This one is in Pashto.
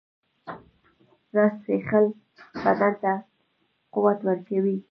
رس څښل بدن ته قوت ورکوي